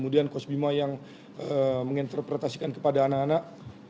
dan coach bima yang menginterpretasikan kepada anak anak